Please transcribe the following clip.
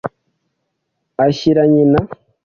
ashyira nyina.